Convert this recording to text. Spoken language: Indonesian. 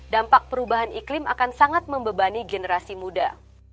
dampak perubahan iklim akan sangat membebani generasi muda